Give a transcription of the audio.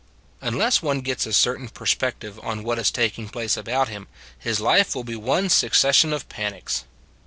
Unless one gets a certain perspective on what is taking place about him, his life will be one succession of panics.